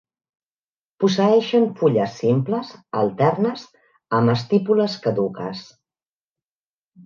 Posseeixen fulles simples, alternes, amb estípules caduques.